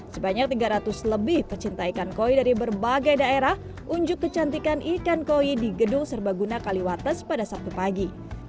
sebanyak tiga ratus lebih pecinta ikan koi dari berbagai daerah unjuk kecantikan ikan koi di gedung serbaguna kaliwates pada sabtu pagi